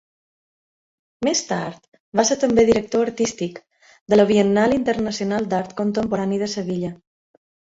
Més tard va ser també director artístic de la Biennal Internacional d'Art Contemporani de Sevilla.